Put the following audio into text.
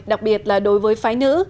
đặc biệt là đối với phái nữ